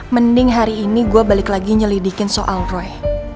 mending hari ini gue balik lagi nyelidikin soal roy